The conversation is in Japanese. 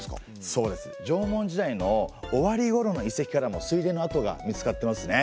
そうです縄文時代の終わりごろの遺跡からも水田の跡が見つかってますね。